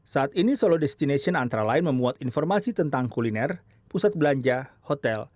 saat ini solo destination antara lain memuat informasi tentang kuliner pusat belanja hotel